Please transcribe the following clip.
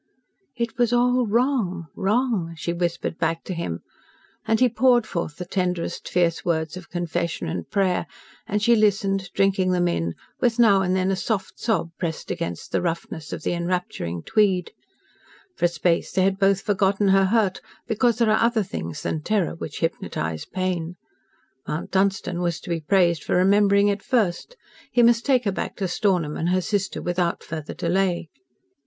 "It was all wrong wrong!" she whispered back to him, and he poured forth the tenderest, fierce words of confession and prayer, and she listened, drinking them in, with now and then a soft sob pressed against the roughness of the enrapturing tweed. For a space they had both forgotten her hurt, because there are other things than terror which hypnotise pain. Mount Dunstan was to be praised for remembering it first. He must take her back to Stornham and her sister without further delay.